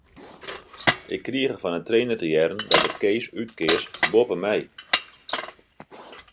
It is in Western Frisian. Ik krige fan 'e trainer te hearren dat er Kees útkeas boppe my.